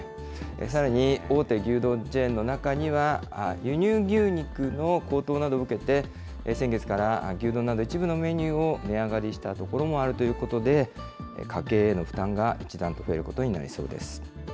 さらに大手牛丼チェーンの中には、輸入牛肉の高騰などを受けて、先月から牛丼など一部のメニューを値上がりしたところもあるということで、家計への負担が一段と増えることになりそうです。